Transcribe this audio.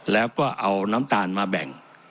แล้วก็เอาน้ำตาลมาแบ่ง